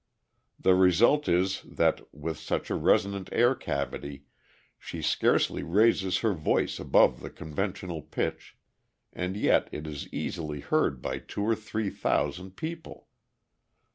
The result is, that, with such a resonant air cavity, she scarcely raises her voice above the conversational pitch, and yet it is easily heard by two or three thousand people.